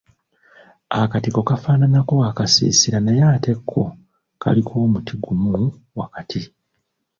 Akatiko kafaananako akasiisira naye ate ko kaliko omuti gumu wakati.